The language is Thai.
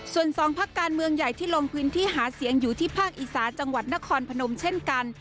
ส่วนสองพักการเมืองใหญ่ที่ลงพื้นที่หาเสียงอยู่ที่ภาคอีสานจังหวัดนครพนมเช่นกัน